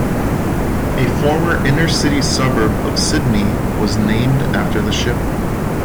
A former inner-city suburb of Sydney was named after the ship.